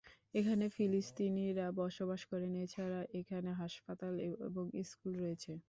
এখানে ফিলিস্তিনিরা বসবাস করেন, এছাড়া এখানে হাসপাতাল এবং স্কুল রয়েছে।